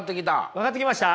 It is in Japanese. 分かってきました？